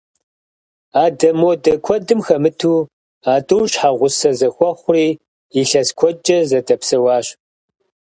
Адэ-модэ куэдым хэмыту, а тӏур щхьэгъусэ зэхуэхъури, илъэс куэдкӏэ зэдэпсэуащ.